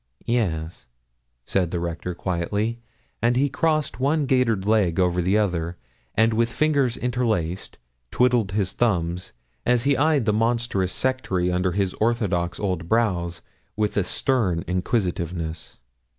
'Yes,' said the Rector, quietly; and he crossed one gaitered leg over the other, and, with fingers interlaced, twiddled his thumbs, as he eyed the monstrous sectary under his orthodox old brows with a stern inquisitiveness.